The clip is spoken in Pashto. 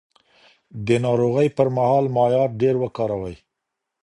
د ناروغۍ پر مهال مایعات ډېر وکاروئ.